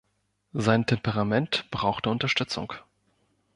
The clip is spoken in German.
Sein Temperament brauchte Unterstützung.